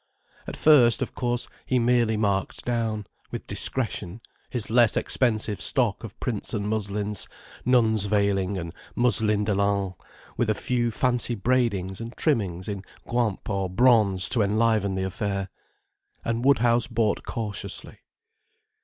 At first, of course, he merely marked down, with discretion, his less expensive stock of prints and muslins, nuns veilings and muslin delaines, with a few fancy braidings and trimmings in guimp or bronze to enliven the affair. And Woodhouse bought cautiously.